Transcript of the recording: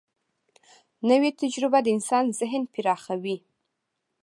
نوې تجربه د انسان ذهن پراخوي